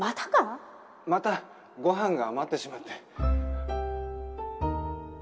またご飯が余ってしまって。